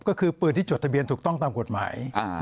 ก็คือปืนที่จดทะเบียนถูกต้องตามกฎหมาย